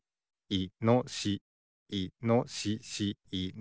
いのしし。